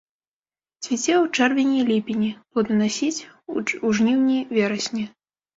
Цвіце ў чэрвені і ліпені, плоданасіць у жніўні-верасні.